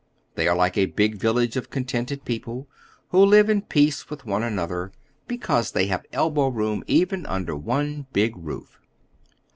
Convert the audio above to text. They are like a big village of contented people, wlio live in peace with one another because they have elbow room even un der one big roof.